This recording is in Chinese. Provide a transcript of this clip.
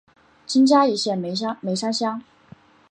今嘉义县梅山乡。